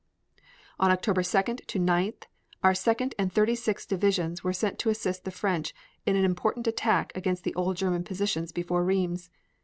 On October 2d to 9th our Second and Thirty sixth divisions were sent to assist the French in an important attack against the old German positions before Rheims.